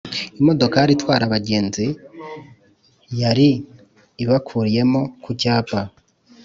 imodokari itwara abagenzi yari ibakuriyemo ku cyapa.